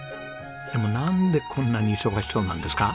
でもなんでこんなに忙しそうなんですか？